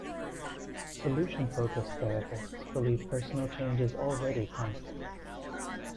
Solution focused therapists believe personal change is already constant.